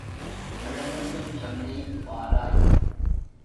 வள்ளலுக்குச் சொல்லி வாராய்!